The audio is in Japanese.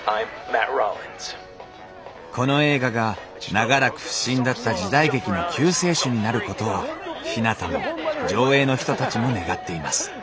この映画が長らく不振だった時代劇の救世主になることをひなたも条映の人たちも願っています